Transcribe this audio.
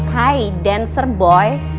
hai dancer boy